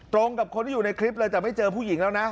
กับคนที่อยู่ในคลิปเลยแต่ไม่เจอผู้หญิงแล้วนะ